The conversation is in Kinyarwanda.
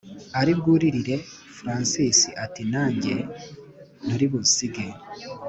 aribwuririre francis ati najye nturibunsige